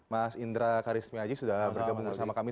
mas indra karismi aji sudah bergabung bersama kami